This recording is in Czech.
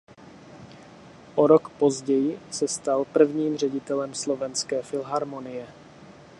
O rok později se stal prvním ředitelem Slovenské filharmonie.